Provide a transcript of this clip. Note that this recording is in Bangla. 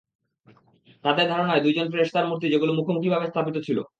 তাদের ধারণায় দুইজন ফেরেশতার মূর্তি যেগুলো মুখামুখিভাবে স্থাপিত ছিল।